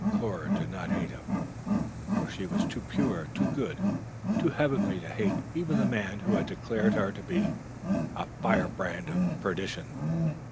Cora did not hate him, for she was too pure, too good, too heavenly to hate even the man who had declared her to be a firebrand of perdition.